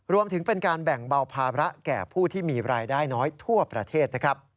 รวมถึงเป็นการแบ่งเบาภาระแก่ผู้ที่มีรายได้น้อยทั่วประเทศนะครับ